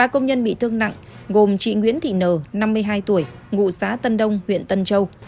ba công nhân bị thương nặng gồm chị nguyễn thị nờ năm mươi hai tuổi ngụ xã tân đông huyện tân châu